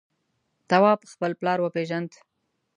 تواب خپل پلار وپېژند.